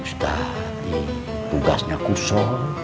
ustadz tugasnya kusum